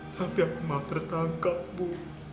tapi aku mau tertangkap bu